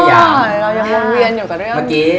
เรายังเวียนอยู่กันด้วย